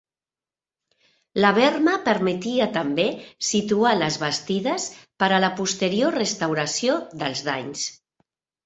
La berma permetia, també, situar les bastides per a la posterior restauració dels danys.